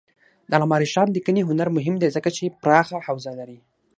د علامه رشاد لیکنی هنر مهم دی ځکه چې پراخه حوزه لري.